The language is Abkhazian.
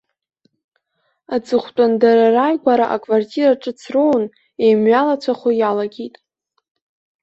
Аҵыхәтәан дара рааигәара аквартира ҿыц роун, еимҩалацәахо иалагеит.